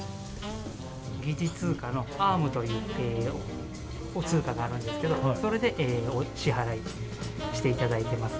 疑似通貨のアームというお通貨があるんですけど、それでお支払いしていただいてます。